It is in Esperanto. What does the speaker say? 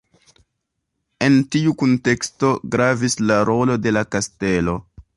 En tiu kunteksto gravis la rolo de la kastelo.